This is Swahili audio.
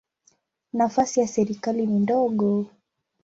Nafasi ya serikali ni ndogo.